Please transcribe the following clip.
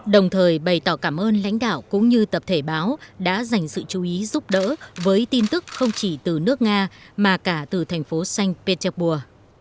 đồng thời bày tỏ cảm ơn lãnh đạo cũng như tập thể báo đã dành sự chú ý giúp đỡ với tin tức không chỉ từ nước nga mà cả từ thành phố sành pê tec pua